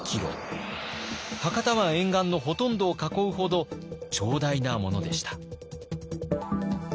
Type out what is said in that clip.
博多湾沿岸のほとんどを囲うほど長大なものでした。